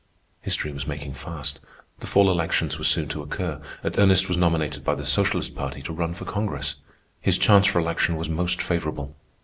History was making fast. The fall elections were soon to occur, and Ernest was nominated by the socialist party to run for Congress. His chance for election was most favorable.